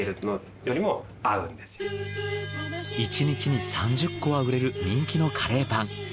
１日に３０個は売れる人気のカレーパン。